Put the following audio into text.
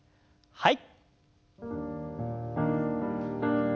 はい。